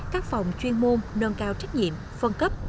các phòng chuyên môn nâng cao trách nhiệm phân cấp